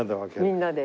みんなで。